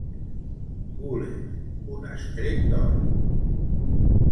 Gules, un estrep d'or.